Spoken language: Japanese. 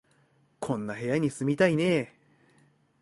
こんな部屋に住みたいね